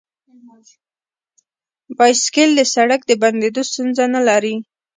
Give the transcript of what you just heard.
بایسکل د سړک د بندیدو ستونزه نه لري.